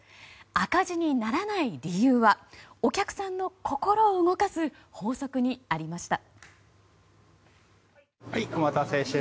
赤字にならない理由はお客さんの心を動かす法則にありました。